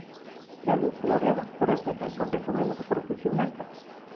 La luz coloreada, se refleja entonces sobre la superficie blanca.